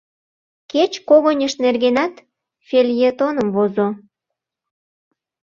Кеч когыньышт нергенат фельетоным возо».